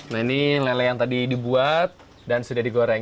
nah ini lele yang tadi dibuat dan sudah digoreng